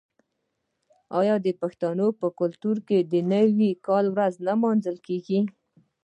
آیا د پښتنو په کلتور کې د نوي کال ورځ نه لمانځل کیږي؟